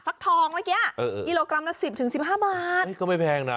ฝักทองเมื่อกี้กิโลกรัมละ๑๐๑๕บาทก็ไม่แพงนะ